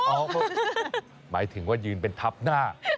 หมายถึงว่ายืนเป็นทับหน้า